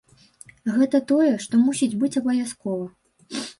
Гэта тое, што мусіць быць абавязкова.